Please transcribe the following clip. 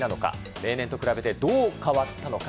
例年と比べて、どう変わったのか。